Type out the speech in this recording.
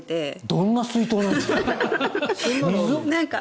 どんな水筒なんですか？